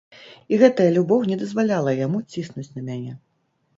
І гэтая любоў не дазваляла яму ціснуць на мяне.